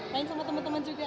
main sama teman teman juga